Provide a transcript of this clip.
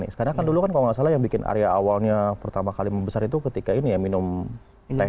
sekarang kan dulu kan kalau nggak salah yang bikin area awalnya pertama kali membesar itu ketika ini ya minum teh